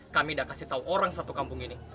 kami dah kasih tahu orang satu kampung ini